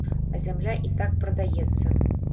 А зямля і так прадаецца.